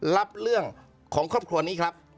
รับเรื่องของครอบครัวนี้ครับ